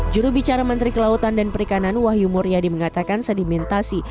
jurubicara menteri kelautan dan perikanan wahyu muryadi mengatakan sedimentasi